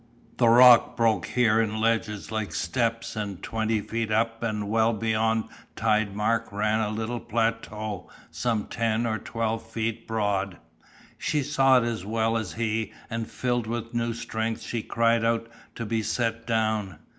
The rock broke here in ledges like steps and twenty feet up and well beyond tide mark ran a little plateau some ten or twelve feet broad. She saw it as well as he and filled with new strength she cried out to be set down.